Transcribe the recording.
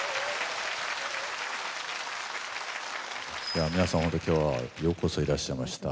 やあ皆さんほんと今日はようこそいらっしゃいました。